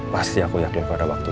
pasti aku yakin pada waktu